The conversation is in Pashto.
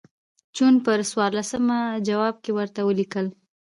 جون پر څوارلسمه جواب کې ورته ولیکل.